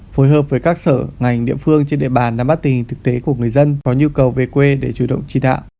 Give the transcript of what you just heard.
phối hợp với các sở ngành địa phương trên địa bàn đảm bát tình hình thực tế của người dân có nhu cầu về quê để chủ động trị đạo